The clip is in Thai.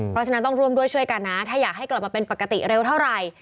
เพราะฉะนั้นต้องร่วมด้วยช่วยกันนะถ้าอยากให้กลับมาเป็นปกติเร็วเท่าไหร่